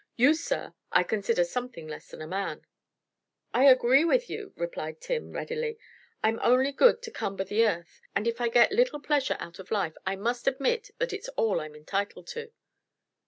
You, sir, I consider something less than a man." "I agree with you," replied Tim, readily. "I'm only good to cumber the earth, and if I get little pleasure out of life I must admit that it's all I'm entitled to."